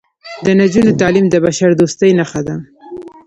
د نجونو تعلیم د بشردوستۍ نښه ده.